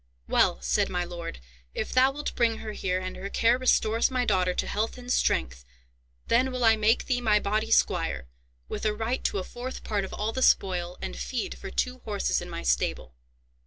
'Well,' said my lord, 'if thou wilt bring her here, and her care restores my daughter to health and strength, then will I make thee my body squire, with a right to a fourth part of all the spoil, and feed for two horses in my stable.